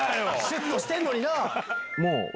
シュっとしてんのにな。